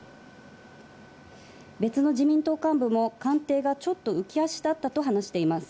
別の自民党幹部も官邸がちょっと浮き足立ったと話しています。